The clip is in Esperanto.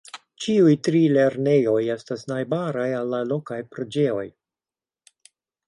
Ĉiuj tri lernejoj estas najbaraj al la lokaj preĝejoj.